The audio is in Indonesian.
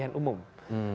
peserta pemilihan umum